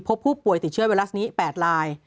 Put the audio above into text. พบผู้ป่วยติดเชื้อไวรัสนี้๘ลาย